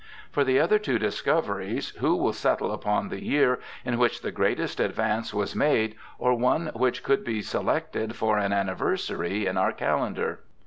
For the other two discoveries, who will settle upon the year in which the greatest advance was made, or one which could be selected for an anni versary in our calendar